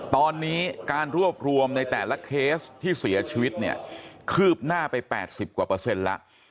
ตอนนี้การรวบรวมในแต่ละเคสที่เสียชีวิตเนี่ยคืบหน้าไป๘๐กว่าเปอร์เซ็นต์แล้ว